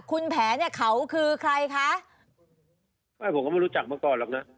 คุณแผลเนี่ยเขาคือใครคะไม่ผมก็ไม่รู้จักมาก่อนหรอกนะ